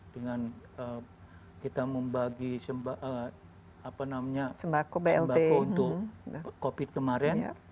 dengan kita membagi sembako untuk covid kemarin